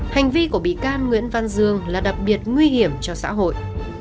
hành vi của bị can nguyễn văn dương là đặc biệt nguy hiểm cho xã hội